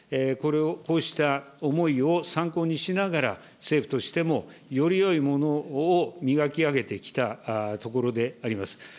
こうした思いを参考にしながら、政府としてもよりよいものを磨き上げてきたところであります。